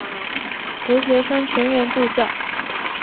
留学生全员住校。